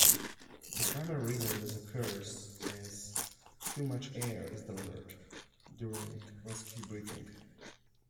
The primary reason this occurs is too much air is delivered during rescue breathing.